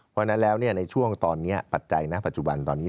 เพราะฉะนั้นแล้วในช่วงตอนนี้ปัจจัยณปัจจุบันตอนนี้